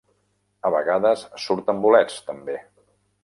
A vegades surten bolets, també.